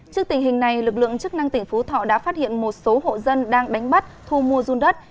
trước tình hình này lực lượng chức năng tỉnh phú thọ đã phát hiện một số hộ dân đang đánh bắt thu mua run đất